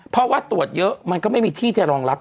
เพราะว่าตรวจเยอะมันก็ไม่มีที่จะรองรับ